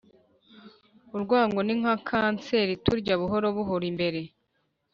urwango ni nka kanseri iturya buhoro buhoro imbere